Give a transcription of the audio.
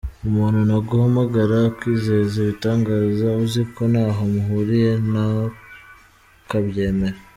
Umuntu naguhamagara akwizeza ibitangaza uzi ko ntaho muhuriye ntukabyemere.